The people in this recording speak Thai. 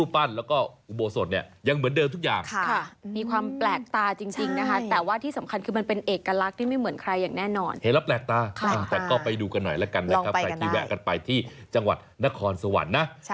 ไปที่แวะกันไปที่จังหวัดนครสวรรค์นะ